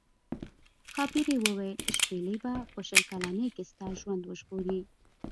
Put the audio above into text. ښاپیرۍ وویل شپیلۍ به په شل کلنۍ کې ستا ژوند وژغوري.